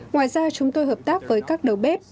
ngoài ra chúng tôi hợp tác với các đầu bếp